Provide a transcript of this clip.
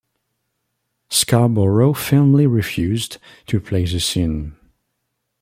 Scarboro firmly refused to play the scene.